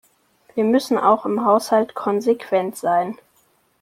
Wir müssen auch im Haushalt konsequent sein.